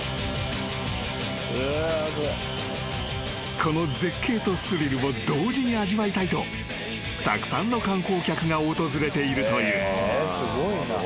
［この絶景とスリルを同時に味わいたいとたくさんの観光客が訪れているという］